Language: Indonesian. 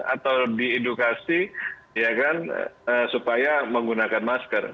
atau diedukasi supaya menggunakan masker